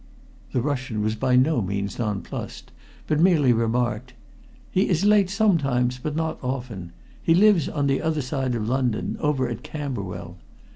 The Russian was by no means nonplused, but merely remarked "He is late sometimes, but not often. He lives on the other side of London over at Camberwell."